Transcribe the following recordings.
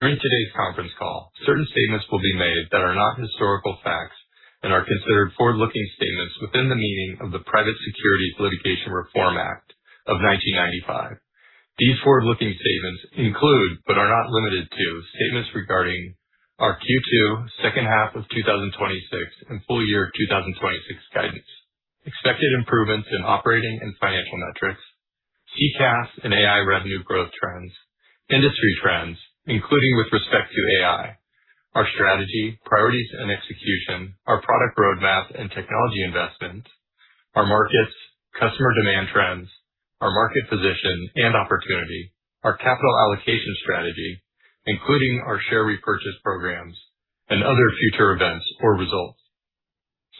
During today's Conference Call, certain statements will be made that are not historical facts and are considered forward-looking statements within the meaning of the Private Securities Litigation Reform Act of 1995. These forward-looking statements include, but are not limited to, statements regarding our Q2, second half of 2026, and full year 2026 guidance, expected improvements in operating and financial metrics, CCaaS and AI revenue growth trends, industry trends, including with respect to AI, our strategy, priorities, and execution, our product roadmap and technology investments, our markets, customer demand trends, our market position and opportunity, our capital allocation strategy, including our share repurchase programs and other future events or results.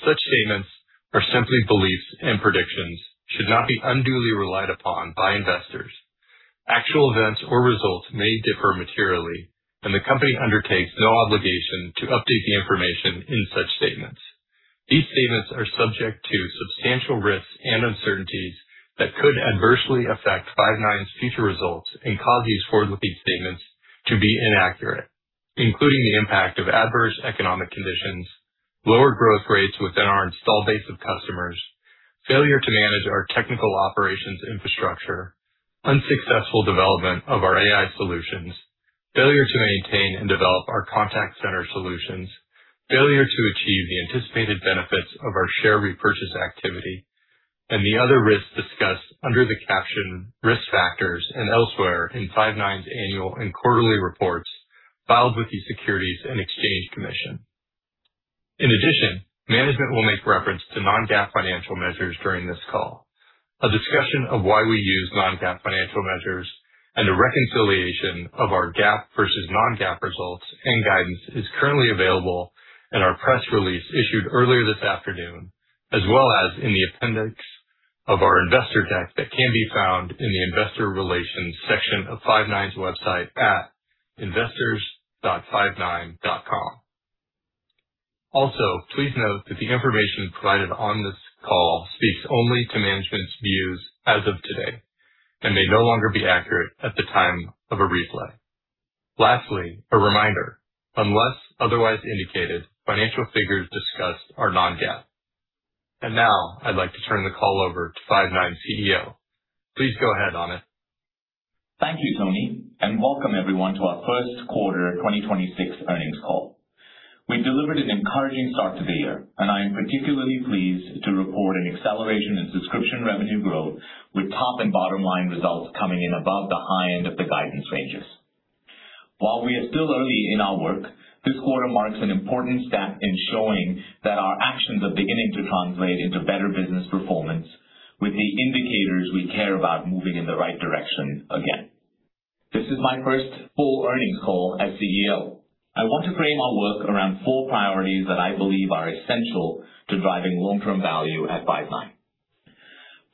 Such statements are simply beliefs and predictions should not be unduly relied upon by investors. Actual events or results may differ materially, and the company undertakes no obligation to update the information in such statements. These statements are subject to substantial risks and uncertainties that could adversely affect Five9's future results and cause these forward-looking statements to be inaccurate, including the impact of adverse economic conditions, lower growth rates within our installed base of customers, failure to manage our technical operations infrastructure, unsuccessful development of our AI solutions, failure to maintain and develop our contact center solutions, failure to achieve the anticipated benefits of our share repurchase activity, and the other risks discussed under the caption Risk Factors and elsewhere in Five9's annual and quarterly reports filed with the Securities and Exchange Commission. In addition, management will make reference to non-GAAP financial measures during this call. A discussion of why we use non-GAAP financial measures and a reconciliation of our GAAP versus non-GAAP results and guidance is currently available in our press release issued earlier this afternoon, as well as in the appendix of our investor deck that can be found in the investor relations section of Five9's website at investors.five9.com. Please note that the information provided on this call speaks only to management's views as of today and may no longer be accurate at the time of a replay. A reminder, unless otherwise indicated, financial figures discussed are non-GAAP. Now I'd like to turn the call over to Five9 CEO. Please go ahead, Amit. Thank you, Tony, welcome everyone to our first quarter 2026 earnings call. We've delivered an encouraging start to the year. I am particularly pleased to report an acceleration in subscription revenue growth with top and bottom line results coming in above the high end of the guidance ranges. While we are still early in our work, this quarter marks an important step in showing that our actions are beginning to translate into better business performance with the indicators we care about moving in the right direction again. This is my first full earnings call as CEO. I want to frame our work around four priorities that I believe are essential to driving long-term value at Five9.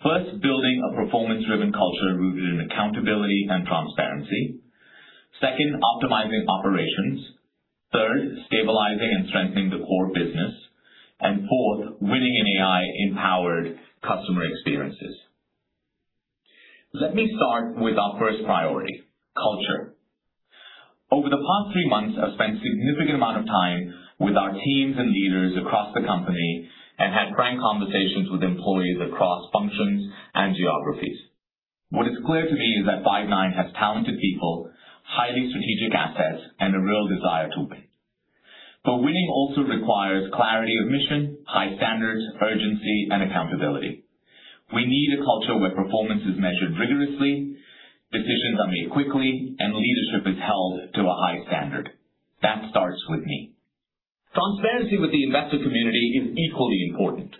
First, building a performance-driven culture rooted in accountability and transparency. Second, optimizing operations. Third, stabilizing and strengthening the core business. Fourth, winning in AI-empowered customer experiences. Let me start with our first priority, culture. Over the past three months, I've spent significant amount of time with our teams and leaders across the company and had frank conversations with employees across functions and geographies. What is clear to me is that Five9 has talented people, highly strategic assets, and a real desire to win. Winning also requires clarity of mission, high standards, urgency, and accountability. We need a culture where performance is measured rigorously, decisions are made quickly, and leadership is held to a high standard. That starts with me. Transparency with the investor community is equally important.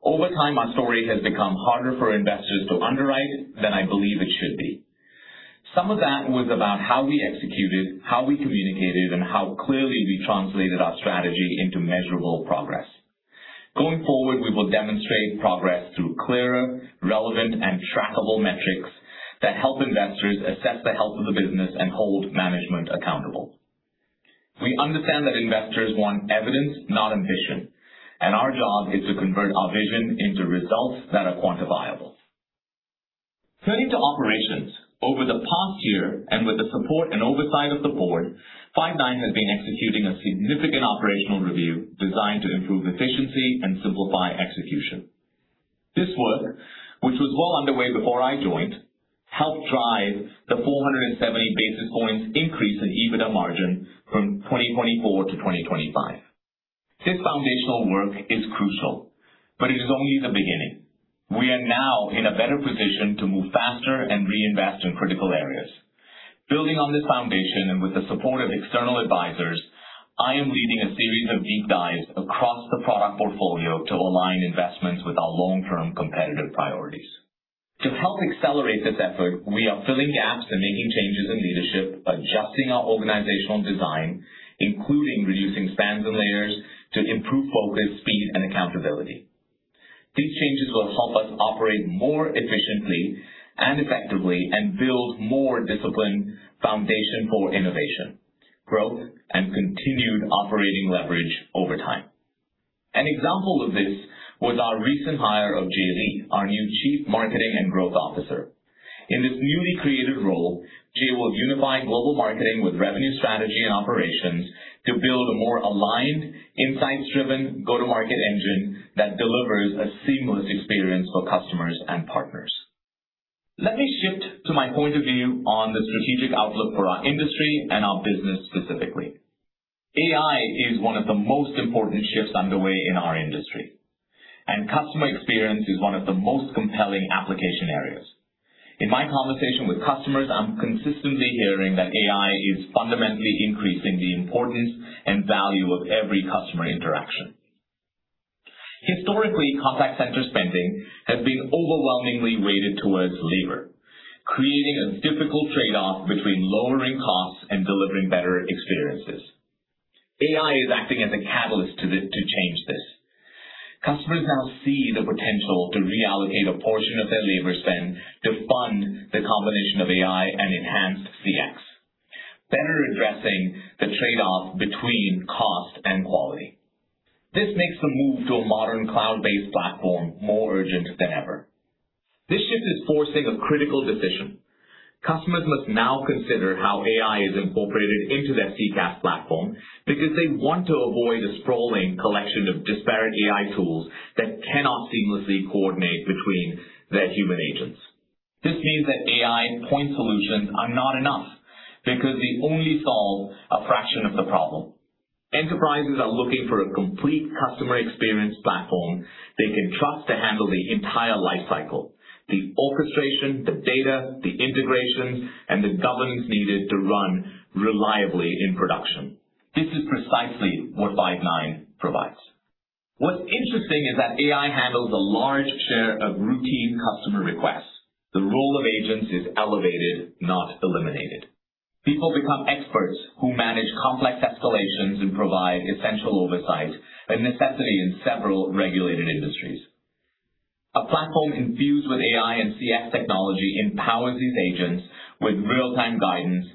Over time, our story has become harder for investors to underwrite than I believe it should be. Some of that was about how we executed, how we communicated, and how clearly we translated our strategy into measurable progress. Going forward, we will demonstrate progress through clearer, relevant, and trackable metrics that help investors assess the health of the business and hold management accountable. We understand that investors want evidence, not ambition, and our job is to convert our vision into results that are quantifiable. Turning to operations. Over the past year, and with the support and oversight of the board, Five9 has been executing a significant operational review designed to improve efficiency and simplify execution. This work, which was well underway before I joined, helped drive the 470 basis points increase in EBITDA margin from 2024-2025. This foundational work is crucial, but it is only the beginning. We are now in a better position to move faster and reinvest in critical areas. Building on this foundation and with the support of external advisors, I am leading a series of deep dives across the product portfolio to align investments with our long-term competitive priorities. To help accelerate this effort, we are filling gaps and making changes in leadership, adjusting our organizational design, including reducing spans and layers to improve focus, speed, and accountability. These changes will help us operate more efficiently and effectively and build more disciplined foundation for innovation, growth, and continued operating leverage over time. An example of this was our recent hire of Jay Lee, our new Chief Marketing and Growth Officer. In this newly created role, Jay will unify global marketing with revenue strategy and operations to build a more aligned, insights-driven go-to-market engine that delivers a seamless experience for customers and partners. Let me shift to my point of view on the strategic outlook for our industry and our business specifically. AI is one of the most important shifts underway in our industry, and customer experience is one of the most compelling application areas. In my conversation with customers, I'm consistently hearing that AI is fundamentally increasing the importance and value of every customer interaction. Historically, contact center spending has been overwhelmingly weighted towards labor, creating a difficult trade-off between lowering costs and delivering better experiences. AI is acting as a catalyst to change this. Customers now see the potential to reallocate a portion of their labor spend to fund the combination of AI and enhanced CX, better addressing the trade-off between cost and quality. This makes the move to a modern cloud-based platform more urgent than ever. This shift is forcing a critical decision. Customers must now consider how AI is incorporated into their CCaaS platform because they want to avoid a sprawling collection of disparate AI tools that cannot seamlessly coordinate between their human agents. This means that AI point solutions are not enough because they only solve a fraction of the problem. Enterprises are looking for a complete customer experience platform they can trust to handle the entire life cycle, the orchestration, the data, the integrations, and the governance needed to run reliably in production. This is precisely what Five9 provides. What's interesting is that AI handles a large share of routine customer requests. The role of agents is elevated, not eliminated. People become experts who manage complex escalations and provide essential oversight, a necessity in several regulated industries. A platform infused with AI and CX technology empowers these agents with real-time guidance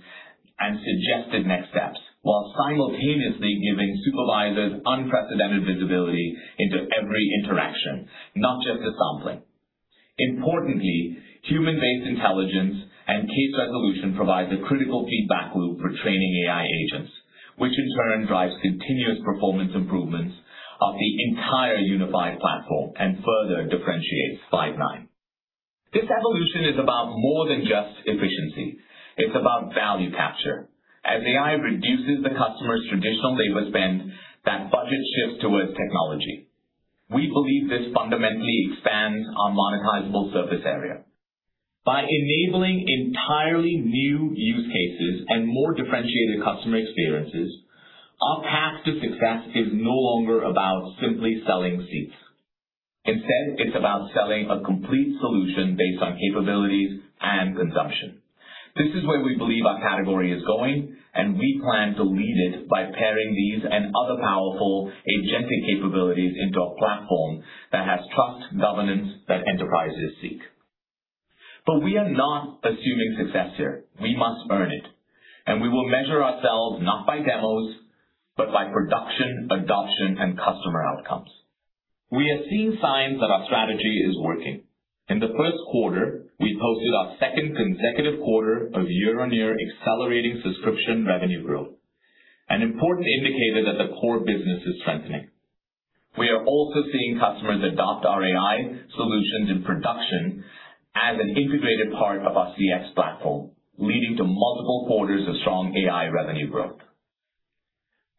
and suggested next steps, while simultaneously giving supervisors unprecedented visibility into every interaction, not just a sampling. Importantly, human-based intelligence and case resolution provides a critical feedback loop for training AI agents, which in turn drives continuous performance improvements of the entire unified platform and further differentiates Five9. This evolution is about more than just efficiency. It's about value capture. As AI reduces the customer's traditional labor spend, that budget shifts towards technology. We believe this fundamentally expands our monetizable surface area. By enabling entirely new use cases and more differentiated customer experiences, our path to success is no longer about simply selling seats. Instead, it's about selling a complete solution based on capabilities and consumption. This is where we believe our category is going. We plan to lead it by pairing these and other powerful agentic capabilities into a platform that has trust governance that enterprises seek. We are not assuming success here. We must earn it, and we will measure ourselves not by demos, but by production, adoption, and customer outcomes. We are seeing signs that our strategy is working. In the 1st quarter, we posted our 2nd consecutive quarter of year-on-year accelerating subscription revenue growth, an important indicator that the core business is strengthening. We are also seeing customers adopt our AI solutions in production as an integrated part of our CX platform, leading to multiple quarters of strong AI revenue growth.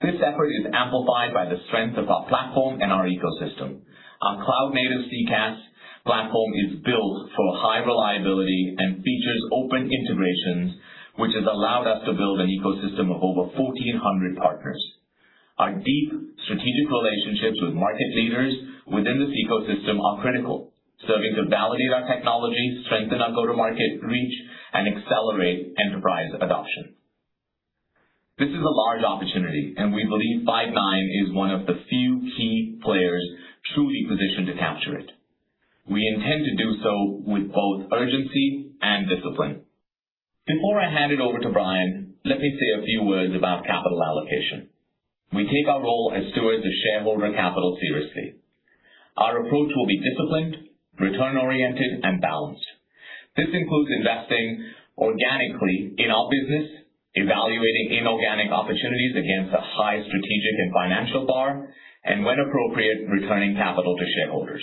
This effort is amplified by the strength of our platform and our ecosystem. Our cloud-native CCaaS platform is built for high reliability and features open integrations, which has allowed us to build an ecosystem of over 1,400 partners. Our deep strategic relationships with market leaders within this ecosystem are critical, serving to validate our technology, strengthen our go-to-market reach, and accelerate enterprise adoption. This is a large opportunity, and we believe Five9 is one of the few key players truly positioned to capture it. We intend to do so with both urgency and discipline. Before I hand it over to Bryan Lee, let me say a few words about capital allocation. We take our role as stewards of shareholder capital seriously. Our approach will be disciplined, return-oriented, and balanced. This includes investing organically in our business, evaluating inorganic opportunities against a high strategic and financial bar, and when appropriate, returning capital to shareholders.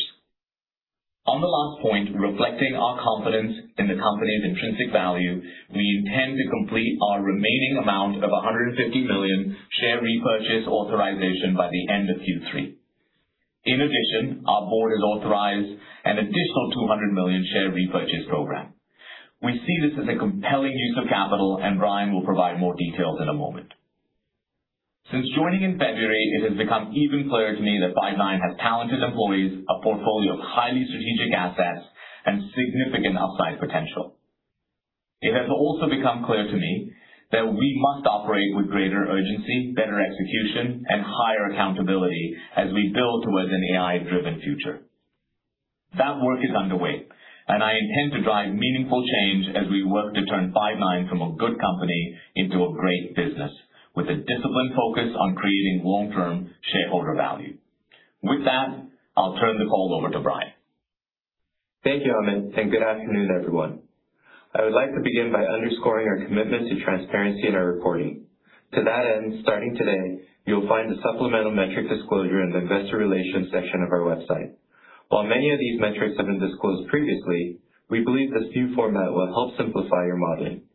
On the last point, reflecting our confidence in the company's intrinsic value, we intend to complete our remaining amount of $150 million share repurchase authorization by the end of Q3. In addition, our board has authorized an additional $200 million share repurchase program. We see this as a compelling use of capital, and Bryan will provide more details in a moment. Since joining in February, it has become even clearer to me that Five9 has talented employees, a portfolio of highly strategic assets, and significant upside potential. It has also become clear to me that we must operate with greater urgency, better execution, and higher accountability as we build towards an AI-driven future. That work is underway, and I intend to drive meaningful change as we work to turn Five9 from a good company into a great business with a disciplined focus on creating long-term shareholder value. With that, I'll turn the call over to Bryan. Thank you, Amit. Good afternoon, everyone. I would like to begin by underscoring our commitment to transparency in our reporting. To that end, starting today, you'll find the supplemental metric disclosure in the investor relations section of our website. While many of these metrics have been disclosed previously, we believe this new format will help simplify your modeling.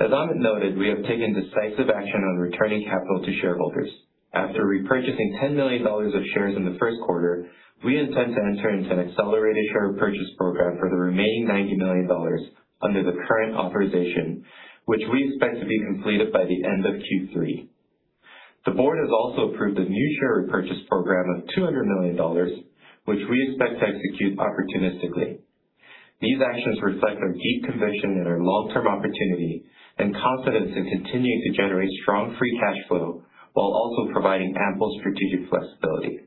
Amit noted, we have taken decisive action on returning capital to shareholders. After repurchasing $10 million of shares in the first quarter, we intend to enter into an accelerated share repurchase program for the remaining $90 million under the current authorization, which we expect to be completed by the end of Q3. The board has also approved a new share repurchase program of $200 million, which we expect to execute opportunistically. These actions reflect our deep conviction in our long-term opportunity and confidence in continuing to generate strong free cash flow while also providing ample strategic flexibility.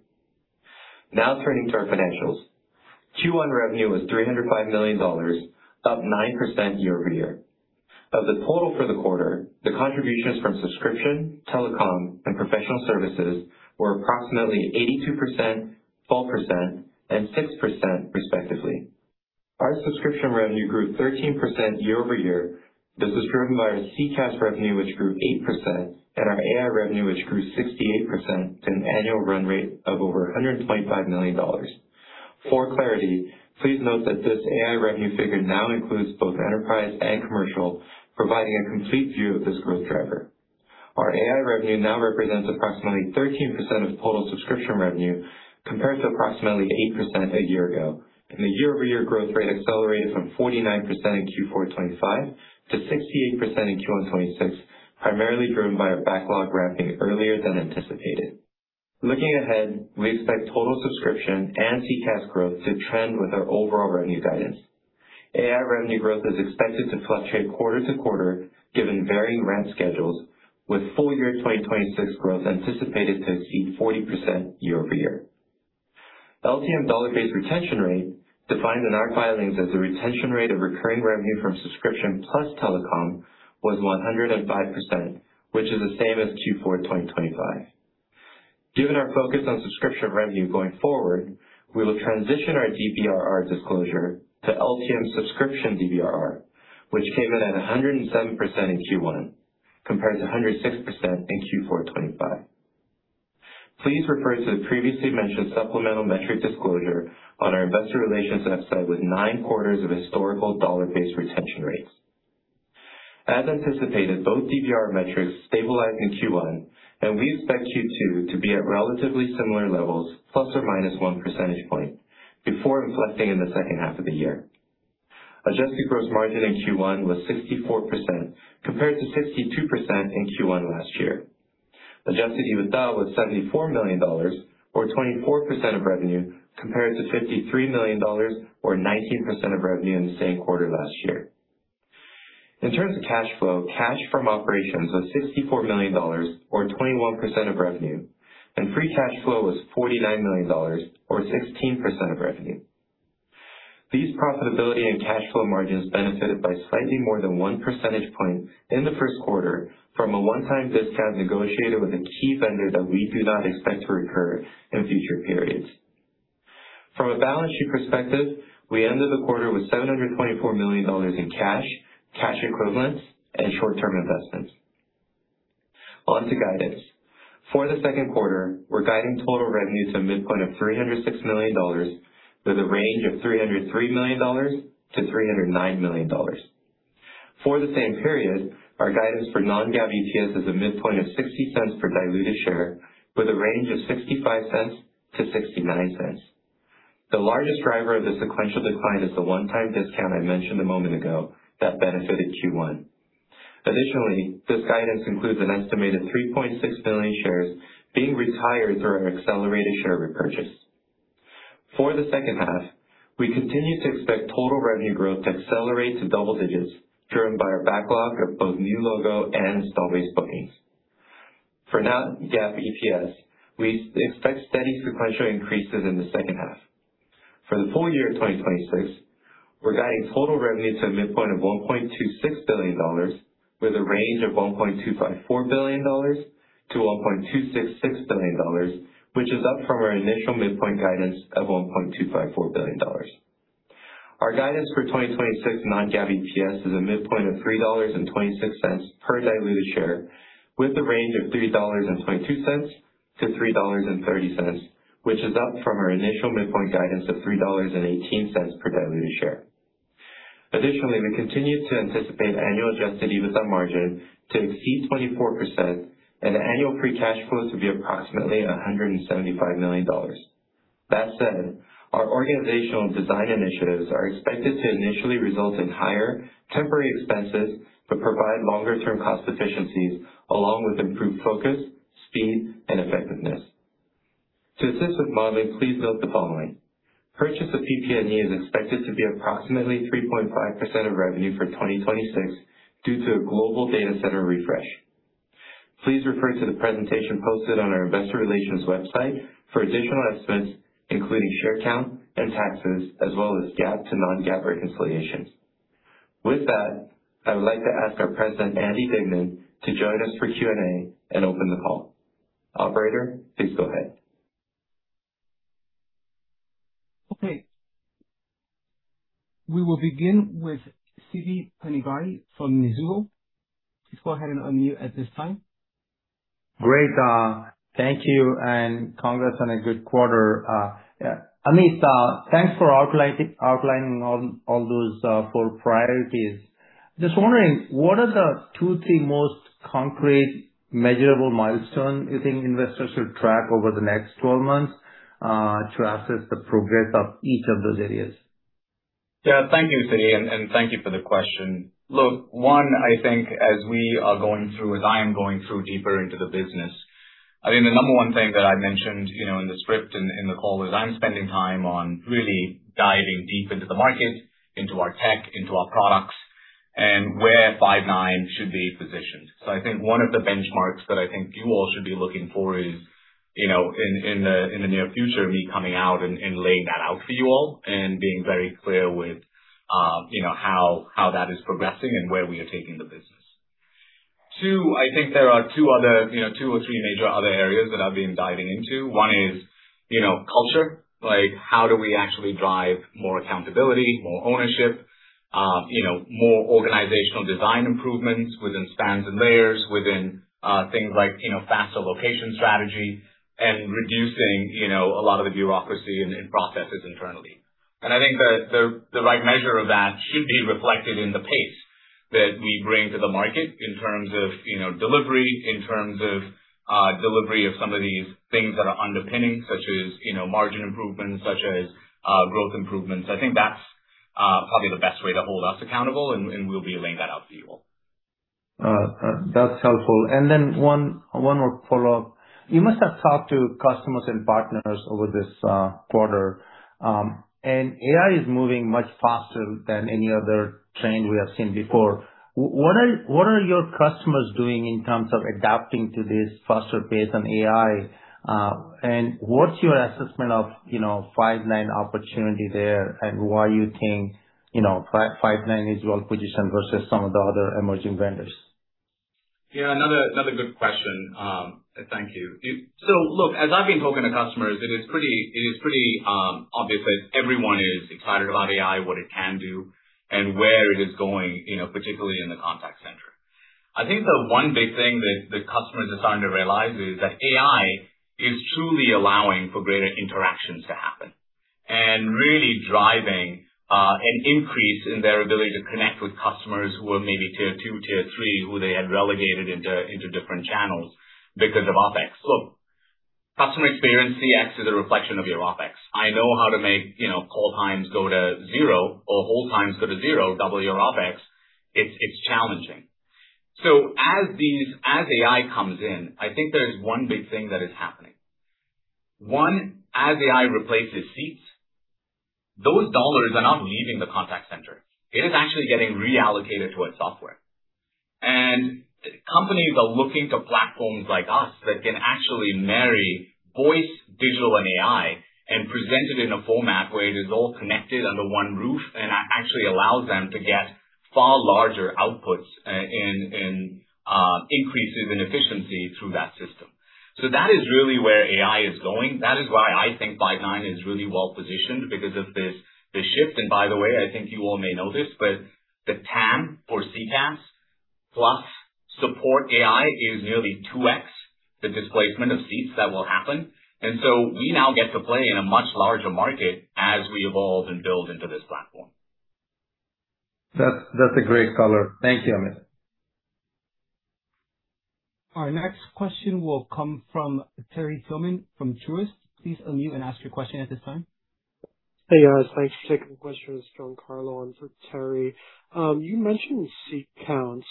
Turning to our financials. Q1 revenue was $305 million, up 9% year-over-year. Of the total for the quarter, the contributions from subscription, telecom, and professional services were approximately 82%, 12%, and 6% respectively. Our subscription revenue grew 13% year-over-year. This was driven by our CCaaS revenue, which grew 8%, and our AI revenue, which grew 68% to an annual run rate of over $125 million. For clarity, please note that this AI revenue figure now includes both enterprise and commercial, providing a complete view of this growth driver. Our AI revenue now represents approximately 13% of total subscription revenue, compared to approximately 8% a year ago. The year-over-year growth rate accelerated from 49% in Q4 2025 to 68% in Q1 2026, primarily driven by a backlog ramping earlier than anticipated. Looking ahead, we expect total subscription and CCaaS growth to trend with our overall revenue guidance. AI revenue growth is expected to fluctuate quarter to quarter, given varying ramp schedules, with full year 2026 growth anticipated to exceed 40% year over year. LTM dollar-based retention rate, defined in our filings as the retention rate of recurring revenue from subscription plus telecom, was 105%, which is the same as Q4 2025. Given our focus on subscription revenue going forward, we will transition our DBRR disclosure to LTM subscription DBRR, which came in at 107% in Q1 compared to 106% in Q4 2025. Please refer to the previously mentioned supplemental metric disclosure on our investor relations website with 9 quarters of historical dollar-based retention rates. As anticipated, both DBRR metrics stabilized in Q1, and we expect Q2 to be at relatively similar levels, ±1 percentage point, before inflecting in the second half of the year. Adjusted gross margin in Q1 was 64%, compared to 62% in Q1 last year. Adjusted EBITDA was $74 million, or 24% of revenue, compared to $53 million or 19% of revenue in the same quarter last year. In terms of cash flow, cash from operations was $64 million or 21% of revenue, and free cash flow was $49 million or 16% of revenue. These profitability and cash flow margins benefited by slightly more than one percentage point in the first quarter from a one-time discount negotiated with a key vendor that we do not expect to recur in future periods. From a balance sheet perspective, we ended the quarter with $724 million in cash equivalents, and short-term investments. On to guidance. For the second quarter, we're guiding total revenue to a midpoint of $306 million, with a range of $303 million-$309 million. For the same period, our guidance for non-GAAP EPS is a midpoint of $0.60 per diluted share, with a range of $0.65-$0.69. The largest driver of the sequential decline is the one-time discount I mentioned a moment ago that benefited Q1. Additionally, this guidance includes an estimated 3.6 billion shares being retired through our accelerated share repurchase. For the second half, we continue to expect total revenue growth to accelerate to double digits, driven by our backlog of both new logo and install-based bookings. For non-GAAP EPS, we expect steady sequential increases in the second half. For the full year of 2026, we're guiding total revenue to a midpoint of $1.26 billion, with a range of $1.254 billion-$1.266 billion, which is up from our initial midpoint guidance of $1.254 billion. Our guidance for 2026 non-GAAP EPS is a midpoint of $3.26 per diluted share, with a range of $3.22-$3.30, which is up from our initial midpoint guidance of $3.18 per diluted share. Additionally, we continue to anticipate annual adjusted EBITDA margin to exceed 24% and annual free cash flow to be approximately $175 million. That said, our organizational design initiatives are expected to initially result in higher temporary expenses that provide longer-term cost efficiencies along with improved focus, speed, and effectiveness. To assist with modeling, please note the following: Purchase of PP&E is expected to be approximately 3.5% of revenue for 2026 due to a global data center refresh. Please refer to the presentation posted on our investor relations website for additional estimates, including share count and taxes, as well as GAAP to non-GAAP reconciliations. With that, I would like to ask our President, Andy Dignan, to join us for Q&A and open the call. Operator, please go ahead. Okay. We will begin with Sitikantha Panigrahi from Mizuho. Please go ahead and unmute at this time. Great, thank you, and congrats on a good quarter. Yeah, Amit, thanks for outlining all those four priorities. Just wondering, what are the two, three most concrete measurable milestones you think investors should track over the next 12 months to assess the progress of each of those areas? Yeah. Thank you, Siddhi, and thank you for the question. Look, one, I think as we are going through, as I am going through deeper into the business, I think the number one thing that I mentioned, you know, in the script and in the call is I'm spending time on really diving deep into the market, into our tech, into our products, and where Five9 should be positioned. I think one of the benchmarks that I think you all should be looking for is, you know, in the near future, me coming out and laying that out for you all and being very clear with, you know, how that is progressing and where we are taking the business. Two, I think there are two other, you know, two or three major other areas that I've been diving into. One is, you know, culture. Like, how do we actually drive more accountability, more ownership, you know, more organizational design improvements within spans and layers, within things like, you know, faster location strategy and reducing, you know, a lot of the bureaucracy and processes internally. I think the right measure of that should be reflected in the pace that we bring to the market in terms of, you know, delivery, in terms of delivery of some of these things that are underpinning such as, you know, margin improvements, such as growth improvements. I think that's probably the best way to hold us accountable, and we'll be laying that out for you all. That's helpful. Then one more follow-up. You must have talked to customers and partners over this quarter. AI is moving much faster than any other trend we have seen before. What are your customers doing in terms of adapting to this faster pace on AI? What's your assessment of, you know, Five9 opportunity there and why you think, you know, Five9 is well-positioned versus some of the other emerging vendors? Yeah. Another good question. Thank you. Look, as I've been talking to customers, it is pretty obvious that everyone is excited about AI, what it can do, and where it is going, you know, particularly in the contact center. I think the one big thing that the customer is starting to realize is that AI is truly allowing for greater interactions to happen and really driving an increase in their ability to connect with customers who are maybe tier two, tier three, who they had relegated into different channels because of OpEx. Look, customer experience, CX, is a reflection of your OpEx. I know how to make, you know, call times go to 0 or hold times go to 0, double your OpEx. It's challenging. As these... as AI comes in, I think there is one big thing that is happening. One, as AI replaces seats, those dollars are not leaving the contact center. It is actually getting reallocated towards software. Companies are looking to platforms like us that can actually marry voice, digital, and AI and present it in a format where it is all connected under one roof actually allows them to get far larger outputs, increases in efficiency through that system. That is really where AI is going. That is why I think Five9 is really well-positioned because of this shift. By the way, I think you all may know this, but the TAM for CCaaS plus support AI is nearly 2x the displacement of seats that will happen. We now get to play in a much larger market as we evolve and build into this platform. That's a great color. Thank you, Amit. Our next question will come from Terrell Tillman from Truist. Please unmute and ask your question at this time. Hey, guys. Thanks. Second question is from Carlo and for Terry. You mentioned seat counts.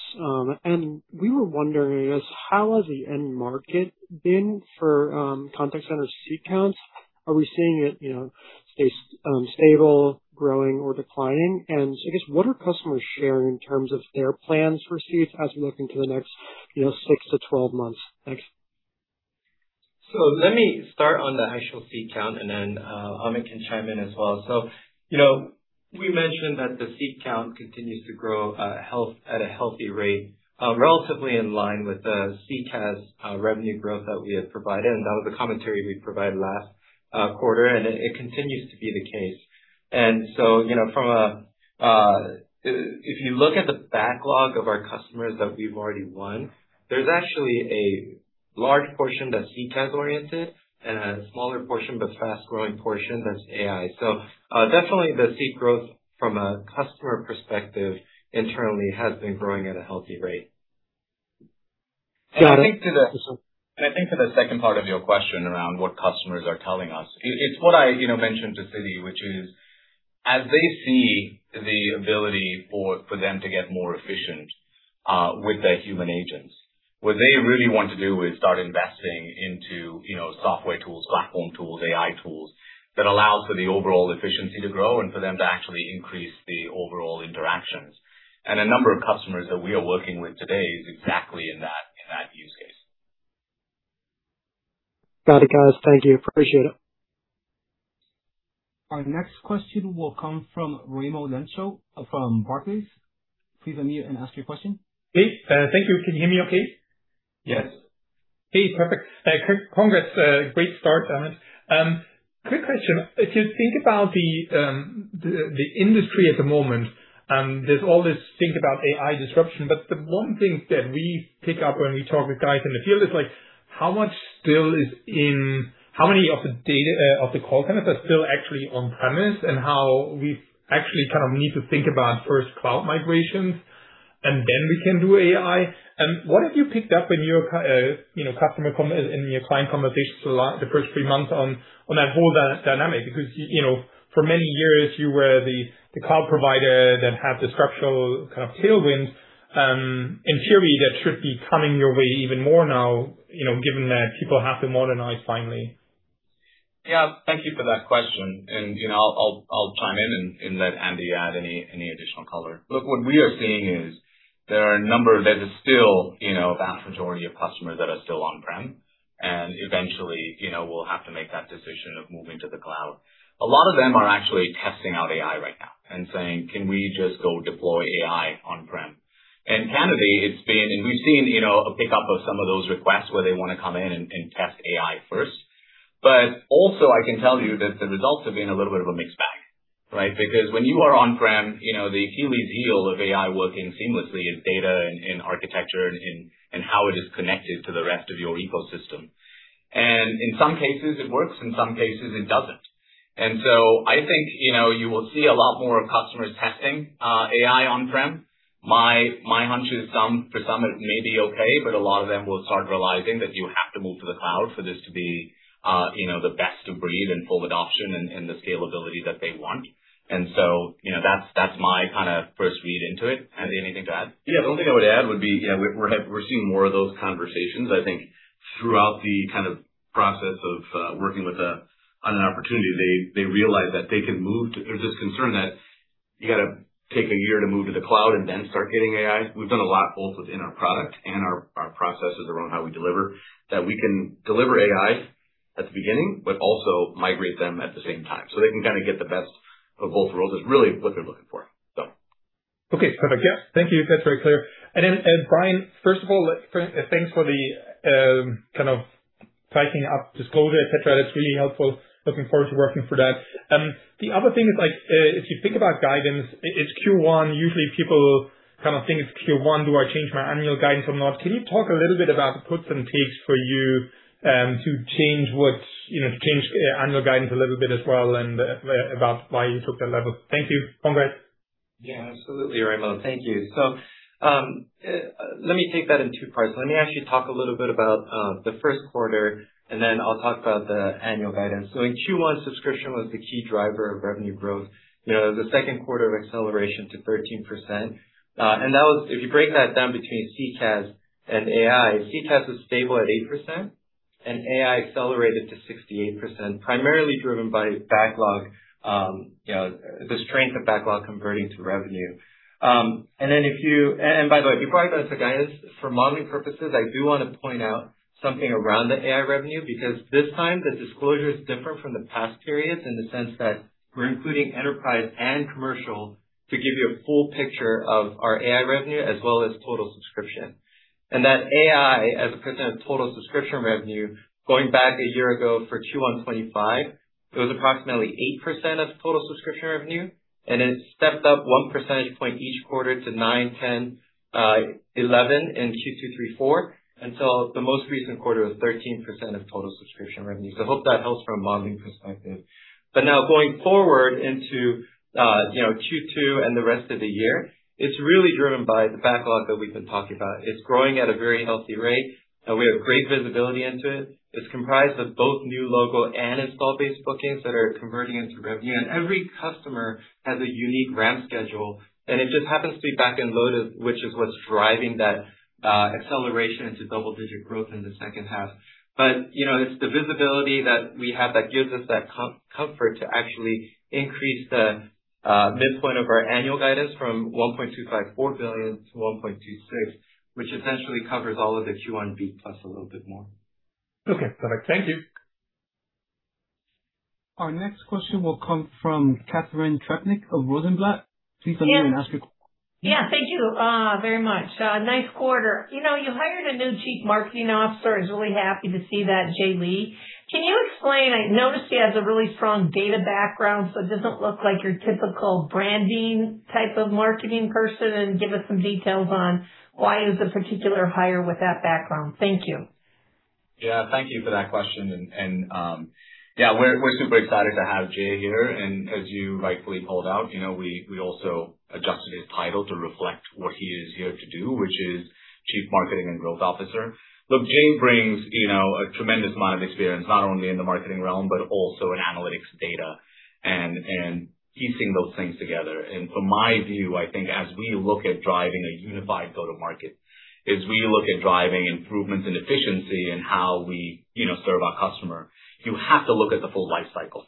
We were wondering how has the end market been for contact center seat counts? Are we seeing it, you know, stay stable, growing or declining? I guess, what are customers sharing in terms of their plans for seats as we look into the next, you know, 6-12 months? Thanks. Let me start on the actual seat count and then Amit Mathradas can chime in as well. You know, we mentioned that the seat count continues to grow at a healthy rate, relatively in line with the CCaaS revenue growth that we have provided, and that was a commentary we provided last quarter, and it continues to be the case. You know, from a, If you look at the backlog of our customers that we've already won, there's actually a large portion that's CCaaS oriented and a smaller portion but fast-growing portion that's AI. Definitely the seat growth from a customer perspective internally has been growing at a healthy rate. Got it. I think to the second part of your question around what customers are telling us, it's what I, you know, mentioned to Siddhi, which is as they see the ability for them to get more efficient with their human agents, what they really want to do is start investing into, you know, software tools, platform tools, AI tools that allow for the overall efficiency to grow and for them to actually increase the overall interactions. A number of customers that we are working with today is exactly in that. Got it, guys. Thank you. Appreciate it. Our next question will come from Raimo Lenschow from Barclays. Please unmute and ask your question. Hey, thank you. Can you hear me okay? Yes. Hey, perfect. Congrats. Great start, Amit. Quick question. If you think about the industry at the moment, there's all this think about AI disruption, but the one thing that we pick up when we talk with guys in the field is like, how many of the data, of the call centers are still actually on premise, and how we actually kind of need to think about first cloud migrations, and then we can do AI. What have you picked up in your, you know, customer in your client conversations the first three months on that whole dynamic? Because, you know, for many years you were the cloud provider that had the structural kind of tailwinds, in theory, that should be coming your way even more now, you know, given that people have to modernize finally. Yeah, thank you for that question. You know, I'll chime in and let Andy add any additional color. Look, what we are seeing is there's still, you know, a vast majority of customers that are still on-prem. Eventually, you know, will have to make that decision of moving to the cloud. A lot of them are actually testing out AI right now and saying, "Can we just go deploy AI on-prem?" Candidly, we've seen, you know, a pickup of some of those requests where they wanna come in and test AI first. Also, I can tell you that the results have been a little bit of a mixed bag, right? When you are on-prem, you know, the holy grail of AI working seamlessly is data and architecture and how it is connected to the rest of your ecosystem. In some cases it works, in some cases it doesn't. I think, you know, you will see a lot more of customers testing AI on-prem. My hunch is for some it may be okay, but a lot of them will start realizing that you have to move to the cloud for this to be, you know, the best of breed and full adoption and the scalability that they want. You know, that's my kinda first read into it. Andy, anything to add? Yeah. The only thing I would add would be, yeah, we're seeing more of those conversations. I think throughout the kind of process of working on an opportunity, they realize that they can move to. There's this concern that you gotta take a year to move to the cloud and then start getting AI. We've done a lot both within our product and our processes around how we deliver, that we can deliver AI at the beginning but also migrate them at the same time so they can kind of get the best of both worlds is really what they're looking for. So. Okay. Perfect. Yeah. Thank you. That's very clear. Bryan, first of all, like, thanks for the kind of tightening up disclosure, et cetera. That's really helpful. Looking forward to working through that. The other thing is like, if you think about guidance, it's Q1, usually people kind of think it's Q1, do I change my annual guidance or not? Can you talk a little bit about the puts and takes for you, to change what's, you know, to change annual guidance a little bit as well and about why you took that level? Thank you. Congrats. Yeah, absolutely, Raimo. Thank you. Let me take that in two parts. Let me actually talk a little bit about the first quarter, and then I'll talk about the annual guidance. In Q1, subscription was the key driver of revenue growth. You know, it was the second quarter of acceleration to 13%. If you break that down between CCaaS and AI, CCaaS was stable at 8%, and AI accelerated to 68%, primarily driven by backlog, you know, the strength of backlog converting to revenue. By the way, before I go to the guidance, for modeling purposes, I do wanna point out something around the AI revenue because this time the disclosure is different from the past periods in the sense that we're including enterprise and commercial to give you a full picture of our AI revenue as well as total subscription. That AI, as a % of total subscription revenue, going back a year ago for Q1 2025, it was approximately 8% of total subscription revenue, and it stepped up one percentage point each quarter to 9, 10, 11 in Q2, 3, 4, until the most recent quarter was 13% of total subscription revenue. Hope that helps from a modeling perspective. Now going forward into, you know, Q2 and the rest of the year, it's really driven by the backlog that we've been talking about. It's growing at a very healthy rate, and we have great visibility into it. It's comprised of both new logo and install-based bookings that are converting into revenue. Every customer has a unique ramp schedule, and it just happens to be back-end loaded, which is what's driving that acceleration into double-digit growth in the second half. You know, it's the visibility that we have that gives us that comfort to actually increase the midpoint of our annual guidance from $1.254 billion-$1.26 billion, which essentially covers all of the Q1 beat plus a little bit more. Okay. Perfect. Thank you. Our next question will come from Catharine Trebnick of Rosenblatt. Please unmute and ask your question. Yeah. Thank you very much. Nice quarter. You know, you hired a new chief marketing officer. I was really happy to see that, Jay Lee. Can you explain? I noticed he has a really strong data background, so it doesn't look like your typical branding type of marketing person. Give us some details on why it was a particular hire with that background. Thank you. Yeah. Thank you for that question. Yeah, we're super excited to have Jay here. As you rightfully called out, you know, we also adjusted his title to reflect what he is here to do, which is Chief Marketing and Growth Officer. Look, Jay brings, you know, a tremendous amount of experience, not only in the marketing realm, but also in analytics data and piecing those things together. From my view, I think as we look at driving a unified go-to-market, as we look at driving improvements in efficiency and how we, you know, serve our customer, you have to look at the full life cycle.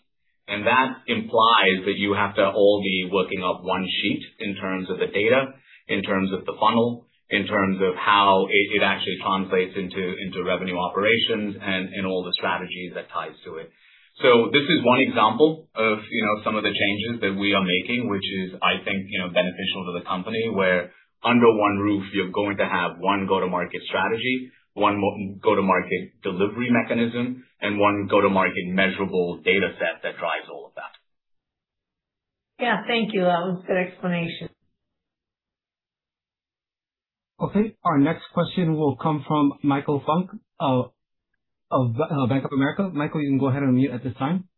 That implies that you have to all be working off one sheet in terms of the data, in terms of the funnel, in terms of how it actually translates into revenue operations and all the strategies that ties to it. This is one example of, you know, some of the changes that we are making, which is, I think, you know, beneficial to the company, where under one roof you're going to have one go-to-market strategy, one go-to-market delivery mechanism, and one go-to-market measurable data set that drives all of that. Yeah. Thank you. That was a good explanation. Our next question will come from Michael Funk of Bank of America. Michael, you can go ahead and unmute at this time.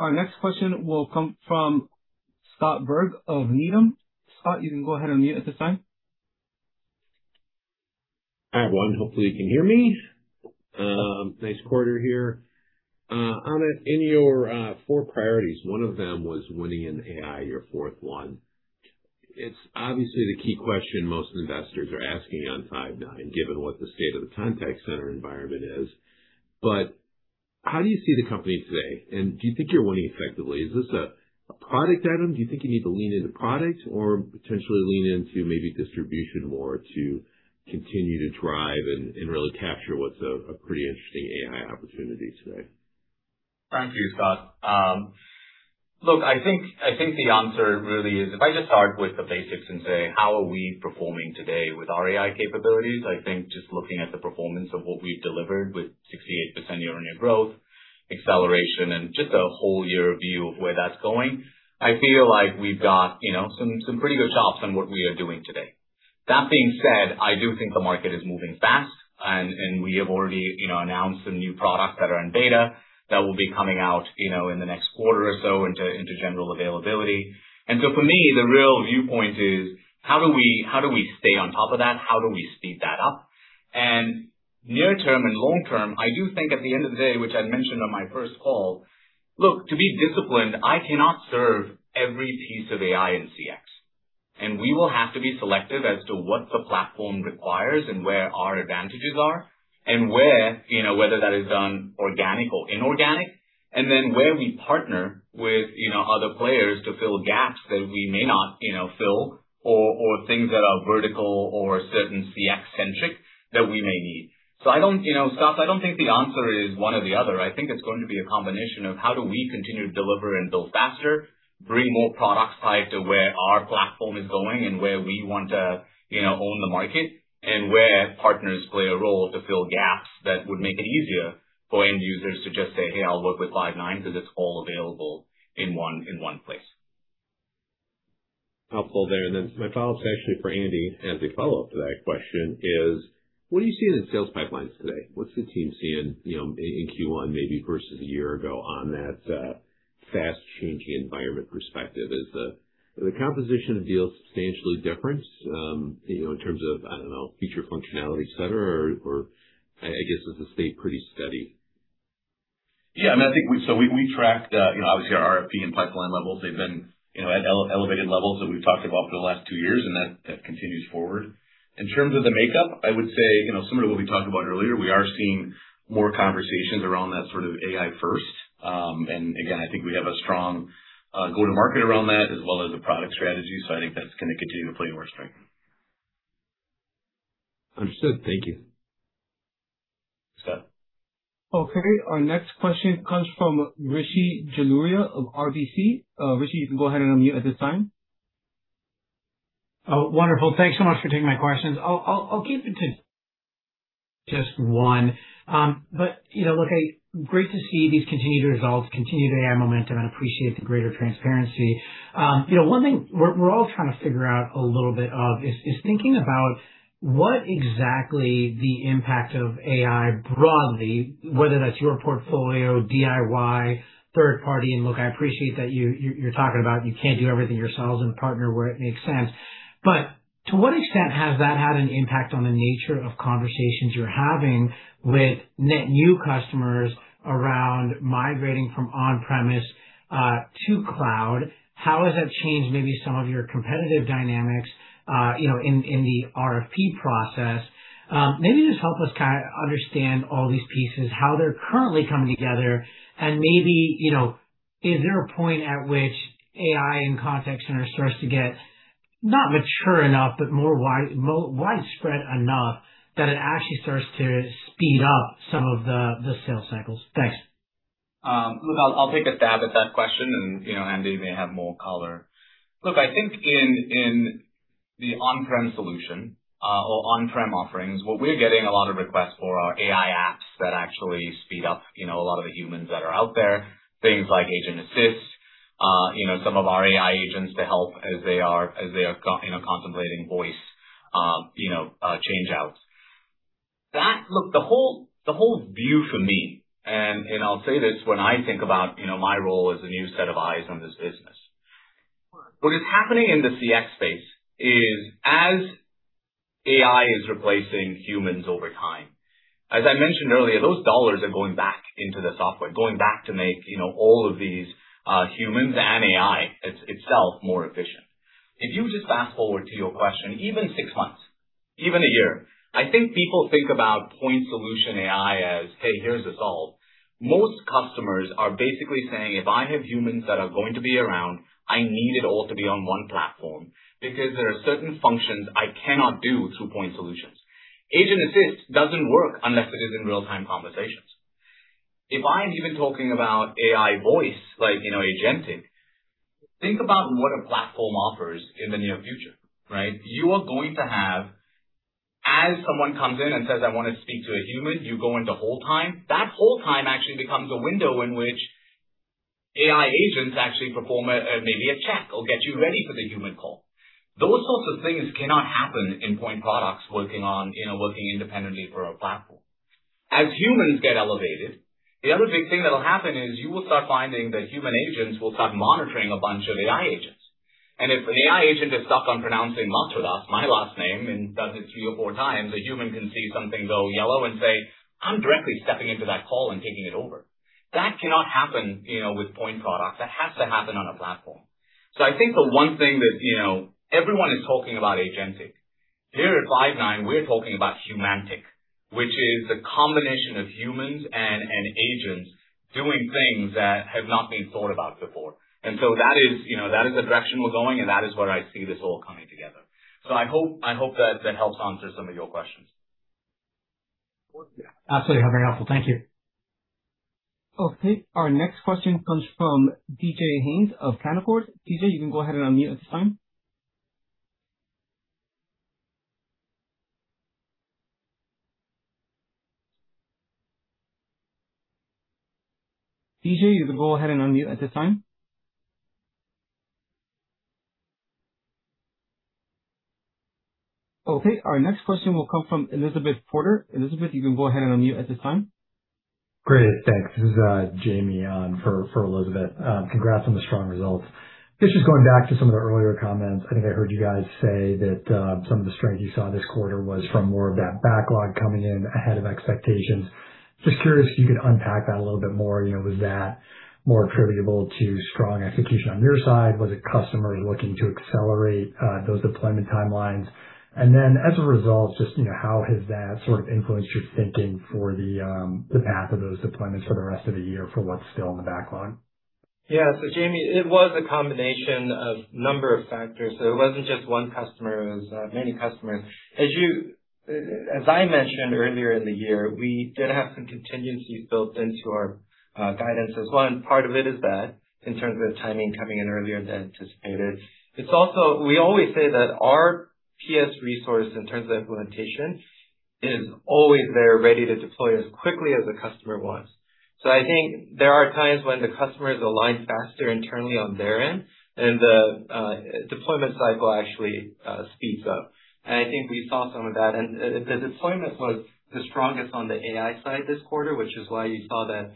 Our next question will come from Scott Berg of Needham. Scott, you can go ahead and unmute at this time. Hi, everyone. Hopefully you can hear me. Nice quarter here. Amit Mathradas, in your four priorities, one of them was winning in AI, your 4th one. It's obviously the key question most investors are asking on Five9, given what the state of the contact center environment is. How do you see the company today, and do you think you're winning effectively? Is this a product item? Do you think you need to lean into product or potentially lean into maybe distribution more to continue to drive and really capture what's a pretty interesting AI opportunity today? Thank you, Scott. Look, I think the answer really is if I just start with the basics and say, how are we performing today with our AI capabilities? I think just looking at the performance of what we've delivered with 68% year-on-year growth, acceleration, and just a whole year view of where that's going, I feel like we've got, you know, some pretty good chops on what we are doing today. That being said, I do think the market is moving fast and we have already, you know, announced some new products that are in beta that will be coming out, you know, in the next quarter or so into general availability. For me, the real viewpoint is how do we stay on top of that? How do we speed that up? Near term and long term, I do think at the end of the day, which I'd mentioned on my first call, look, to be disciplined, I cannot serve every piece of AI in CX. We will have to be selective as to what the platform requires and where our advantages are and where, you know, whether that is done organic or inorganic, and then where we partner with, you know, other players to fill gaps that we may not, you know, fill or things that are vertical or certain CX centric that we may need. I don't, you know, Scott, I don't think the answer is one or the other. I think it's going to be a combination of how do we continue to deliver and build faster, bring more products tied to where our platform is going and where we want to, you know, own the market and where partners play a role to fill gaps that would make it easier for end users to just say, "Hey, I'll work with Five9 because it's all available in one, in one place. I'll pull there. My follow-up's actually for Andy as a follow-up to that question is: What do you see in the sales pipelines today? What's the team seeing, you know, in Q1 maybe versus a year ago on that fast changing environment perspective? Is the composition deal substantially different, you know, in terms of, I don't know, feature functionality, et cetera, or I guess, does it stay pretty steady? I mean, I think we tracked, you know, obviously our RFP and pipeline levels. They've been, you know, at elevated levels that we've talked about for the last two years, and that continues forward. In terms of the makeup, I would say, you know, similar to what we talked about earlier, we are seeing more conversations around that sort of AI first. Again, I think we have a strong go-to-market around that as well as a product strategy. I think that's gonna continue to play to our strength. Understood. Thank you. Thanks, Scott. Okay. Our next question comes from Rishi Jaluria of RBC. Rishi, you can go ahead and unmute at this time. Oh, wonderful. Thanks so much for taking my questions. I'll keep it to just one. You know, look, great to see these continued results, continued AI momentum, and appreciate the greater transparency. You know, one thing we're all trying to figure out a little bit of is thinking about what exactly the impact of AI broadly, whether that's your portfolio, DIY, third party. Look, I appreciate that you, you're talking about you can't do everything yourselves and partner where it makes sense. To what extent has that had an impact on the nature of conversations you're having with net new customers around migrating from on-premise to cloud? How has that changed maybe some of your competitive dynamics, you know, in the RFP process? Maybe just help us kinda understand all these pieces, how they're currently coming together, and maybe, you know, is there a point at which AI in contact center starts to get, not mature enough, but more wide, widespread enough that it actually starts to speed up some of the sales cycles? Thanks. Look, I'll take a stab at that question and, you know, Andy may have more color. Look, I think in the on-prem solution, or on-prem offerings, what we're getting a lot of requests for are AI apps that actually speed up, you know, a lot of the humans that are out there, things like Agent Assist, you know, some of our AI agents to help as they are, as they are, you know, contemplating voice, you know, change outs. Look, the whole view for me, and I'll say this when I think about, you know, my role as a new set of eyes on this business. What is happening in the CX space is as AI is replacing humans over time, as I mentioned earlier, those dollars are going back into the software, going back to make, you know, all of these humans and AI itself more efficient. If you just fast-forward to your question, even six months, even a year, I think people think about point solution AI as, "Hey, here's this all." Most customers are basically saying, "If I have humans that are going to be around, I need it all to be on one platform because there are certain functions I cannot do through point solutions." Agent Assist doesn't work unless it is in real-time conversations. If I'm even talking about AI voice, like, you know, agentic, think about what a platform offers in the near future, right? You are going to have as someone comes in and says, "I wanna speak to a human," you go into hold time. That hold time actually becomes a window in which AI agents actually perform a, maybe a check or get you ready for the human call. Those sorts of things cannot happen in point products working on, you know, working independently for a platform. As humans get elevated, the other big thing that'll happen is you will start finding that human agents will start monitoring a bunch of AI agents. If an AI agent is stuck on pronouncing Mathradas, my last name, and does it 3 or 4x, a human can see something go yellow and say, "I'm directly stepping into that call and taking it over." That cannot happen, you know, with point products. That has to happen on a platform. I think the one thing that, you know, everyone is talking about agentic. Here at Five9, we're talking about humanic, which is a combination of humans and agents doing things that have not been thought about before. That is, you know, that is the direction we're going, and that is where I see this all coming together. I hope, I hope that that helps answer some of your questions. Absolutely. Very helpful. Thank you. Okay. Our next question comes from DJ Hynes of Canaccord. DJ, you can go ahead and unmute at this time. Our next question will come from Elizabeth Porter. Elizabeth, you can go ahead and unmute at this time. Great. Thanks. This is James on for Elizabeth. Congrats on the strong results. Just going back to some of the earlier comments. I think I heard you guys say that some of the strength you saw this quarter was from more of that backlog coming in ahead of expectations. Just curious if you could unpack that a little bit more. You know, was that more attributable to strong execution on your side? Was it customers looking to accelerate those deployment timelines? Then as a result, just, you know, how has that sort of influenced your thinking for the path of those deployments for the rest of the year for what's still in the backlog? Yeah. James, it was a combination of number of factors. It wasn't just one customer. It was many customers. As I mentioned earlier in the year, we did have some contingencies built into our guidance as one, part of it is that in terms of timing coming in earlier than anticipated. It's also, we always say that our PS resource in terms of implementation is always there ready to deploy as quickly as the customer wants. I think there are times when the customer is aligned faster internally on their end, and the deployment cycle actually speeds up. I think we saw some of that. The deployments was the strongest on the AI side this quarter, which is why you saw that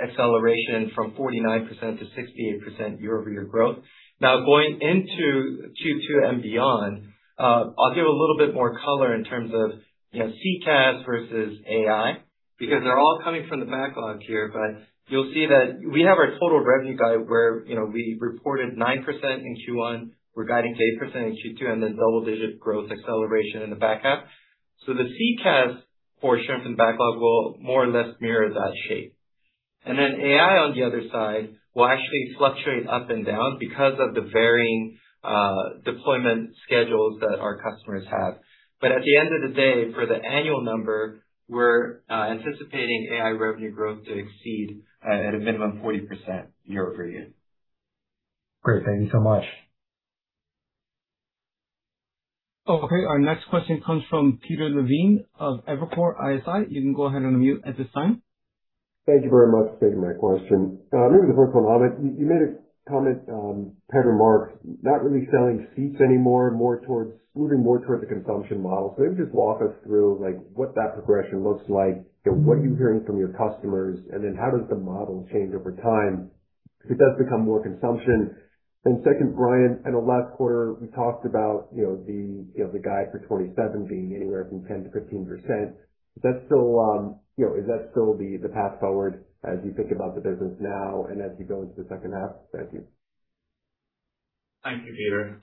acceleration from 49%-68% year-over-year growth. Going into Q2 and beyond, I'll give a little bit more color in terms of, you know, CCaaS versus AI, because they're all coming from the backlog here. You'll see that we have our total revenue guide where, you know, we reported 9% in Q1. We're guiding to 8% in Q2, double-digit growth acceleration in the back half. The CCaaS portion from backlog will more or less mirror that shape. AI on the other side will actually fluctuate up and down because of the varying deployment schedules that our customers have. At the end of the day, for the annual number, we're anticipating AI revenue growth to exceed at a minimum 40% year-over-year. Great. Thank you so much. Okay. Our next question comes from Peter Levine of Evercore ISI. You can go ahead and unmute at this time. Thank you very much for taking my question. Maybe the first one, Amit Mathradas, you made a comment, Pedro Marks not really selling seats anymore, moving more towards a consumption model. Maybe just walk us through, like, what that progression looks like. You know, what are you hearing from your customers, how does the model change over time if it does become more consumption? Second, Bryan Lee, I know last quarter we talked about the guide for 27 being anywhere from 10%-15%. Is that still the path forward as you think about the business now and as you go into the second half? Thank you. Thank you, Peter.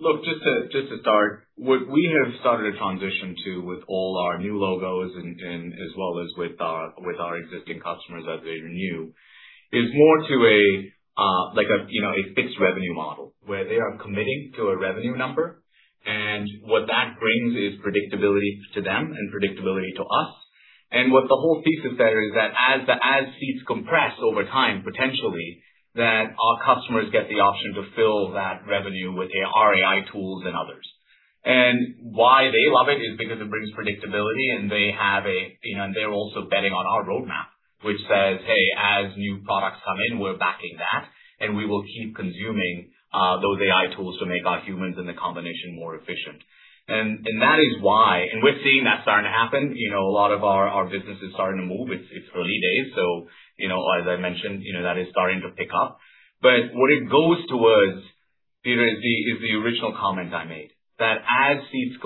Look, just to start, what we have started to transition to with all our new logos and as well as with our existing customers as they renew, is more to a like a, you know, a fixed revenue model where they are committing to a revenue number. What that brings is predictability to them and predictability to us. What the whole thesis there is that as seats compress over time, potentially, that our customers get the option to fill that revenue with our AI tools and others. Why they love it is because it brings predictability and they have a, you know, they're also betting on our roadmap, which says, "Hey, as new products come in, we're backing that, and we will keep consuming those AI tools to make our humans and the combination more efficient." That is why. We're seeing that starting to happen. You know, a lot of our business is starting to move. It's early days, so, you know, as I mentioned, you know, that is starting to pick up. What it goes towards, Peter, is the original comment I made, that as seats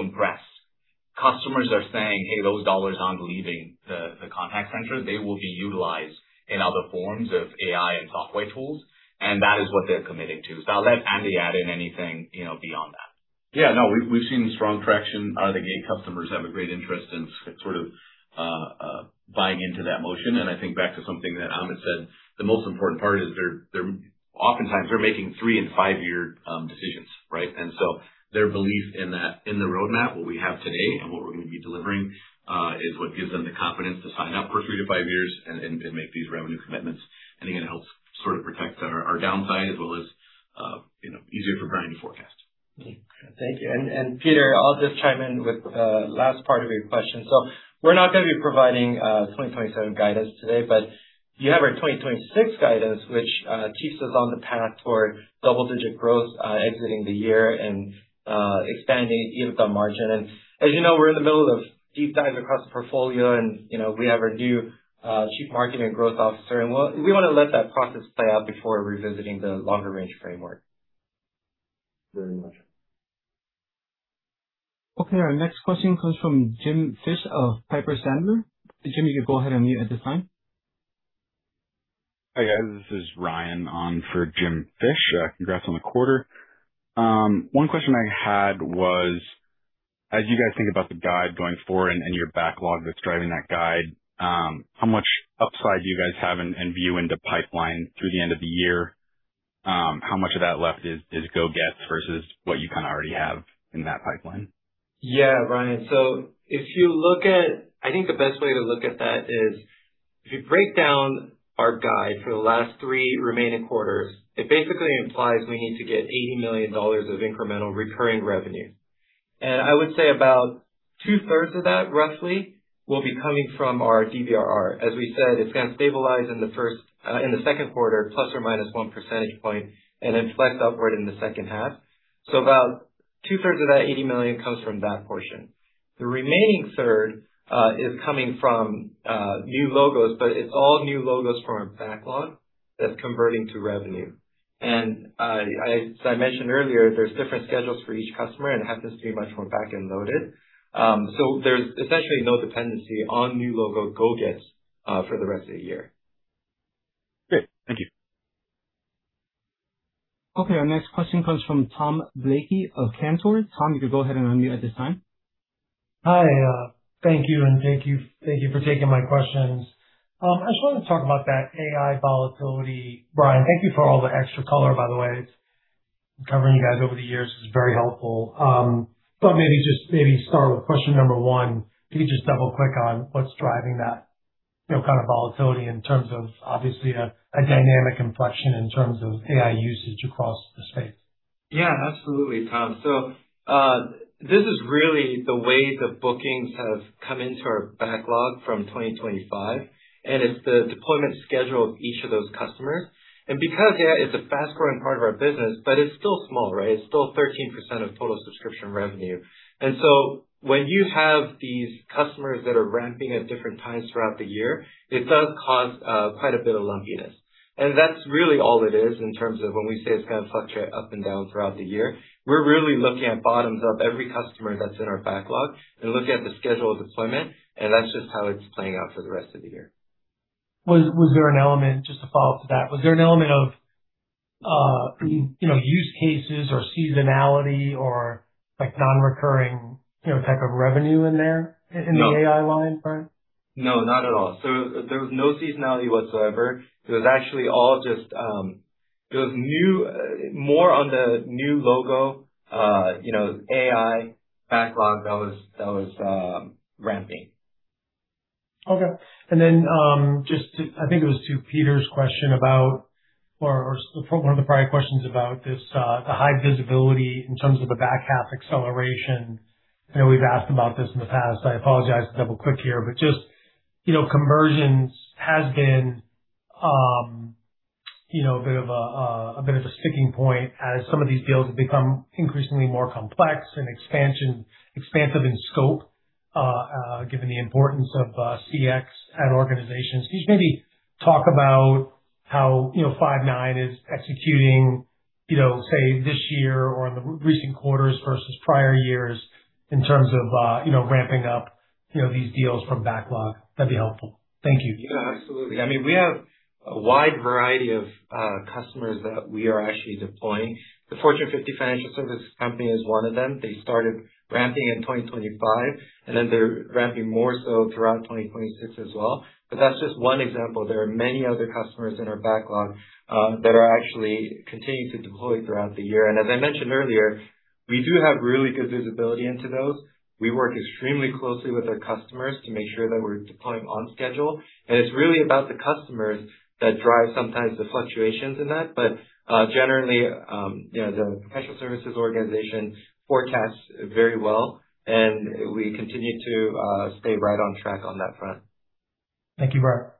compress-Customers are saying, "Hey, those dollars aren't leaving the contact center. They will be utilized in other forms of AI and software tools." That is what they're committing to. I'll let Andy add in anything, you know, beyond that. Yeah, no, we've seen strong traction. I think, A, customers have a great interest in sort of buying into that motion. I think back to something that Amit said, the most important part is they're oftentimes making three and five year decisions, right? Their belief in that, in the roadmap, what we have today and what we're gonna be delivering, is what gives them the confidence to sign up for 3-5 years and make these revenue commitments. Again, it helps sort of protect our downside as well as, you know, easier for Bryan to forecast. Thank you. Peter, I'll just chime in with last part of your question. We're not gonna be providing 2027 guidance today, but you have our 2026 guidance, which keeps us on the path toward double-digit growth, exiting the year and expanding EBITDA margin. As you know, we're in the middle of deep dive across the portfolio and, you know, we have our new Chief Marketing and Growth Officer, we wanna let that process play out before revisiting the longer-range framework. Very much. Okay, our next question comes from James Fish of Piper Sandler. Jim, you can go ahead and unmute at this time. Hi, guys. This is Ryan on for James Fish. Congrats on the quarter. One question I had was, as you guys think about the guide going forward and your backlog that's driving that guide, how much upside do you guys have and view into pipeline through the end of the year? How much of that left is go gets versus what you kinda already have in that pipeline? Ryan, I think the best way to look at that is if you break down our guide for the last three remaining quarters, it basically implies we need to get $80 million of incremental recurring revenue. I would say about 2/3 of that roughly will be coming from our DBRR. As we said, it's gonna stabilize in the first, in the second quarter, ±1 percentage point, and then flex upward in the second half. About 2/3 of that $80 million comes from that portion. The remaining third is coming from new logos, it's all new logos from our backlog that's converting to revenue. As I mentioned earlier, there's different schedules for each customer and happens to be much more back-end loaded. There's essentially no dependency on new logo go gets for the rest of the year. Great. Thank you. Okay, our next question comes from Thomas Blakey of Cantor. Thomas, you can go ahead and unmute at this time. Hi. Thank you, and thank you for taking my questions. I just wanted to talk about that AI volatility. Bryan, thank you for all the extra color, by the way. Covering you guys over the years is very helpful. Maybe just start with question number one. Can you just double click on what's driving that, you know, kind of volatility in terms of obviously a dynamic inflection in terms of AI usage across the space? Yeah, absolutely, Tom. This is really the way the bookings have come into our backlog from 2025, and it's the deployment schedule of each of those customers. Because, yeah, it's a fast-growing part of our business, but it's still small, right? It's still 13% of total subscription revenue. When you have these customers that are ramping at different times throughout the year, it does cause quite a bit of lumpiness. That's really all it is in terms of when we say it's gonna fluctuate up and down throughout the year. We're really looking at bottoms up every customer that's in our backlog and looking at the schedule of deployment, and that's just how it's playing out for the rest of the year. Was there an element, just to follow up to that, was there an element of, you know, use cases or seasonality or, like, non-recurring, you know, type of revenue in there in the AI line, Bryan? No, not at all. There was no seasonality whatsoever. It was actually all just new, more on the new logo, you know, AI backlog that was ramping. Okay. Then, just to I think it was to Peter's question about or, one of the prior questions about this, the high visibility in terms of the back half acceleration. I know we've asked about this in the past. I apologize to double click here, just, you know, conversions has been, you know, a bit of a sticking point as some of these deals have become increasingly more complex and expansive in scope, given the importance of CX at organizations. Can you maybe talk about how, you know, Five9 is executing, you know, say, this year or in the recent quarters versus prior years in terms of, you know, ramping up, you know, these deals from backlog? That'd be helpful. Thank you. Yeah, absolutely. I mean, we have a wide variety of customers that we are actually deploying. The Fortune 50 financial services company is one of them. They started ramping in 2025, then they're ramping more so throughout 2026 as well. That's just one example. There are many other customers in our backlog that are actually continuing to deploy throughout the year. As I mentioned earlier, we do have really good visibility into those. We work extremely closely with our customers to make sure that we're deploying on schedule. It's really about the customers that drive sometimes the fluctuations in that. Generally, you know, the professional services organization forecasts very well, we continue to stay right on track on that front. Thank you, Bryan.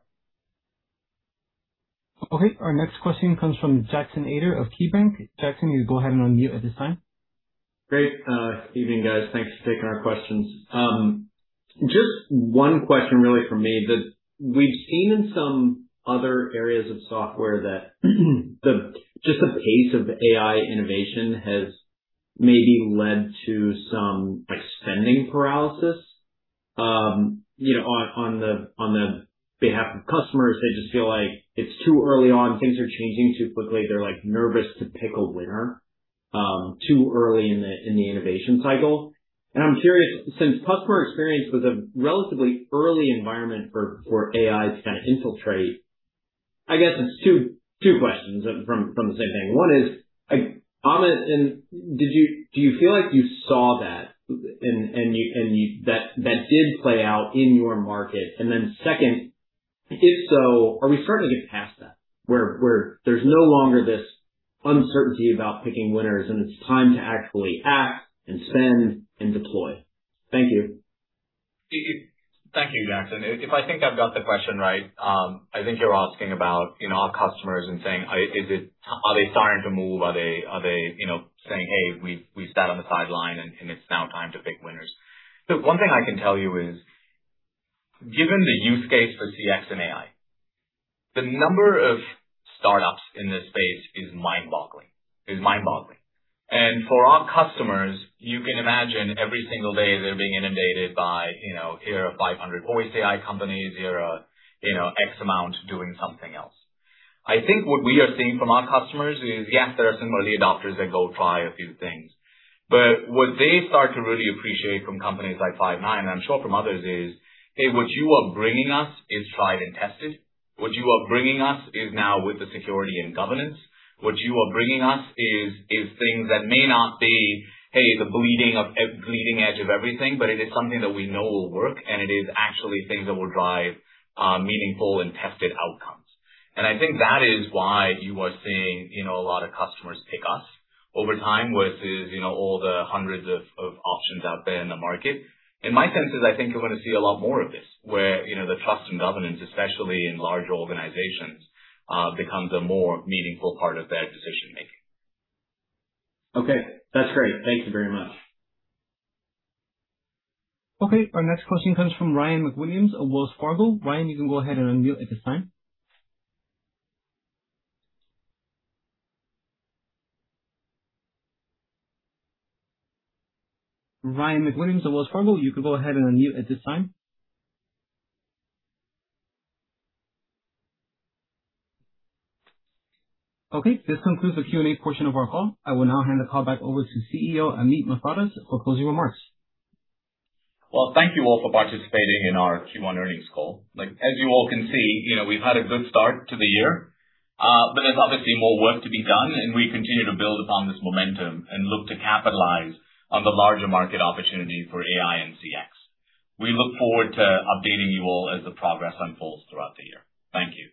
Okay, our next question comes from Jackson Ader of KeyBanc. Jackson, you can go ahead and unmute at this time. Great. Evening, guys. Thanks for taking our questions. Just one question really from me that we've seen in some other areas of software that the, just the pace of AI innovation has maybe led to some, like, spending paralysis, you know, on the, on the behalf of customers. They just feel like it's too early on, things are changing too quickly. They're, like, nervous to pick a winner, too early in the, in the innovation cycle. I'm curious, since customer experience was a relatively early environment for AI to kind of infiltrate. I guess it's two questions from the same thing. One is, like, Amit, do you feel like you saw that and you that that did play out in your market? Then second, if so, are we starting to get past that where there's no longer this uncertainty about picking winners, and it's time to actually act and spend and deploy? Thank you. Thank you, Jackson. If I think I've got the question right, I think you're asking about, you know, our customers and saying, are they starting to move? Are they, you know, saying, "Hey, we've sat on the sideline and it's now time to pick winners." Look, one thing I can tell you is, given the use case for CX and AI, the number of startups in this space is mind-boggling. Is mind-boggling. For our customers, you can imagine every single day they're being inundated by, you know, here are 500 voice AI companies. Here are, you know, X amount doing something else. I think what we are seeing from our customers is, yes, there are some early adopters that go try a few things, but what they start to really appreciate from companies like Five9, and I'm sure from others is, "Hey, what you are bringing us is tried and tested. What you are bringing us is now with the security and governance. What you are bringing us is things that may not be, hey, the bleeding edge of everything, but it is something that we know will work, and it is actually things that will drive meaningful and tested outcomes." I think that is why you are seeing, you know, a lot of customers pick us over time versus, you know, all the hundreds of options out there in the market. My sense is, I think you're going to see a lot more of this where, you know, the trust and governance, especially in large organizations, becomes a more meaningful part of their decision-making. Okay. That's great. Thank you very much. Okay. Our next question comes from Ryan Williams of Wells Fargo. Ryan, you can go ahead and unmute at this time. Ryan Williams of Wells Fargo, you can go ahead and unmute at this time. Okay. This concludes the Q&A portion of our call. I will now hand the call back over to CEO, Amit Mathradas, for closing remarks. Thank you all for participating in our Q1 earnings call. As you all can see, you know, we've had a good start to the year, but there's obviously more work to be done, and we continue to build upon this momentum and look to capitalize on the larger market opportunity for AI and CX. We look forward to updating you all as the progress unfolds throughout the year. Thank you.